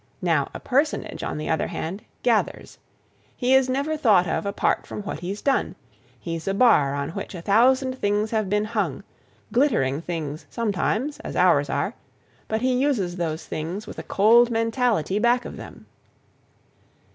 Now a personage, on the other hand, gathers. He is never thought of apart from what he's done. He's a bar on which a thousand things have been hung—glittering things sometimes, as ours are; but he uses those things with a cold mentality back of them."